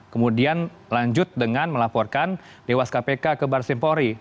kemudian lanjut dengan melaporkan dewas kpk ke baris empori